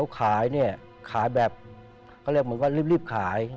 ขายแบบก็เรียกว่ารีบขาย